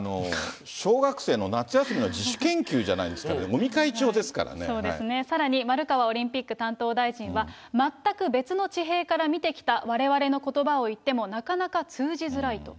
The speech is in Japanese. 小学生の夏休みの自主研究じゃないですから、そうですね、さらに丸川オリンピック担当大臣は、全く別の地平から見てきたわれわれのことばを言っても、なかなか通じづらいと。